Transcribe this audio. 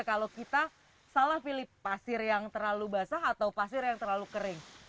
kalau kita salah pilih pasir yang terlalu basah atau pasir yang terlalu kering